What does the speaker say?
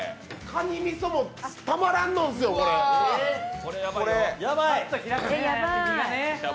かにみそもたまらんのですよ、これ。